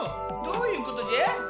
どういうことじゃ？